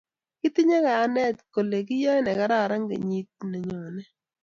Kitinye kayanet kole kiyoe negararan kenyit nenyone